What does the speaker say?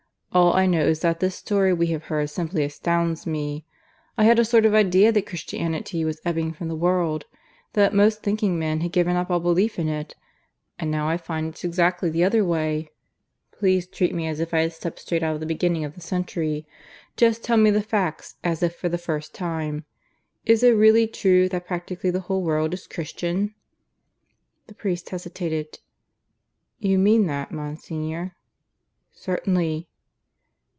All I know is that this story we have heard simply astounds me. I had a sort of idea that Christianity was ebbing from the world; that most thinking men had given up all belief in it; and now I find it's exactly the other way. Please treat me as if I had stepped straight out of the beginning of the century. Just tell me the facts as if for the first time. Is it really true that practically the whole world is Christian?" The priest hesitated. "You mean that, Monsignor?" "Certainly."